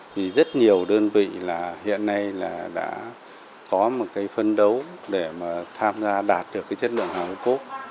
thì rất nhiều đơn vị hiện nay đã có một phân đấu để tham gia đạt được chất lượng hàng hồ cốp